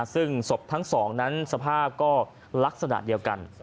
ซึ่งศพทั้งสองนั้นสภาพก็ลักษณะเดียวกัน